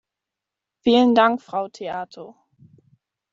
Vielen Dank, Frau Theato.